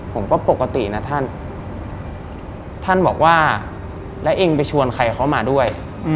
ปกตินะท่านท่านบอกว่าแล้วเองไปชวนใครเขามาด้วย